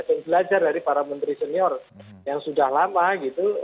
dan belajar dari para menteri senior yang sudah lama gitu